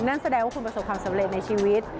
นั่นแสดงว่าคุณประสบความสำเร็จในชีวิต